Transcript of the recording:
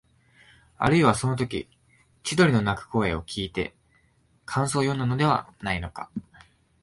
あるいは、そのとき千鳥の鳴く声をきいて感想をよんだのではないか、